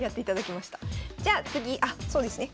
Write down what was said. じゃあ次あそうですね